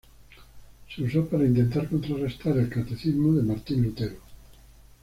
Se usó para intentar contrarrestar el catecismo de Martín Lutero.